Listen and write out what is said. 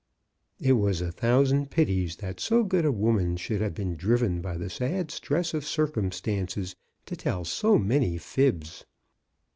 It was a thousand pities that so good a woman should have been driven by the sad stress of cir cumstances to tell so many fibs.